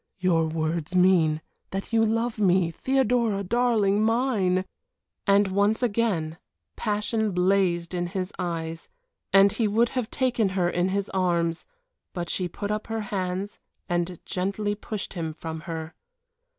"Your words mean that you love me Theodora darling mine." And once again passion blazed in his eyes, and he would have taken her in his arms; but she put up her hands and gently pushed him from her.